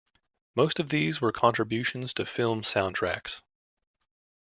Most of these were contributions to film soundtracks.